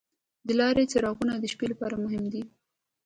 د لارې څراغونه د شپې لپاره مهم دي.